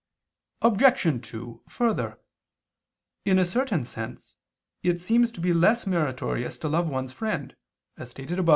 Obj. 2: Further, in a certain sense it seems to be less meritorious to love one's friend, as stated above (A.